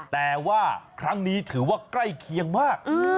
แต่ว่าครั้งนี้ถือว่าใกล้เคียงมาก